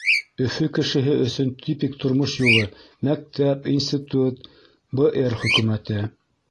Өфө кешеһе өсөн типик тормош юлы — мәктәп, институт, БР хөкүмәте.